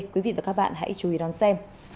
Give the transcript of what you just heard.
quý vị và các bạn hãy chú ý đón xem